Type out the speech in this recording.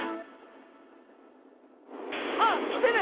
あっきてる！